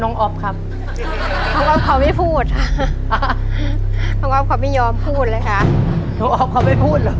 น้องออฟเขาไม่พูดเลยค่ะ